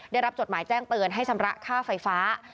จดหมายแจ้งเตือนให้ชำระค่าไฟฟ้า